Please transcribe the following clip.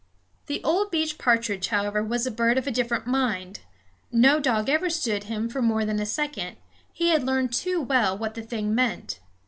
The old beech partridge, however, was a bird of a different mind. No dog ever stood him for more than a second; he had learned too well what the thing meant.